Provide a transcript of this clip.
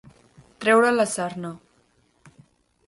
Treure la sarna.